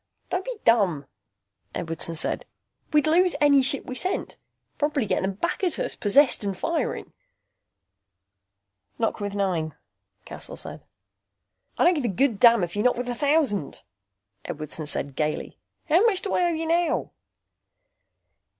"Don't be dumb," Edwardson said. "We'd lose any ship we sent. Probably get them back at us, possessed and firing." "Knock with nine," Cassel said. "I don't give a good damn if you knock with a thousand," Edwardson said gaily. "How much do I owe you now?"